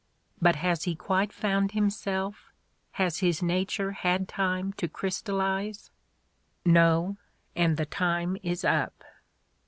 But has he quite found himself, has his nature had time to crystallize? No, and the time is up.